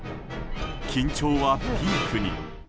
緊張はピークに。